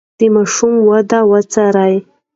د ماشوم وده وڅارئ.